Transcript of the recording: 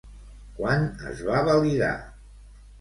Quan es va validar?